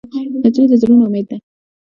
نجلۍ د زړونو امید ده.